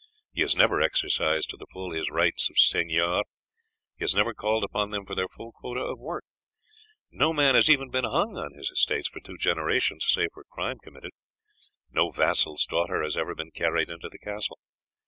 He has never exercised to the full his rights of seigneur; he has never called upon them for their full quota of work; no man has even been hung on his estate for two generations save for crime committed; no vassal's daughter has ever been carried into the castle.